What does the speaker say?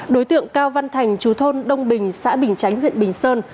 đối tượng cao văn thành chú thôn đông bình xã bình chánh huyện bình sơn